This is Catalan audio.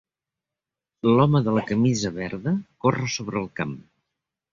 L'home de la camisa verda corre sobre el camp.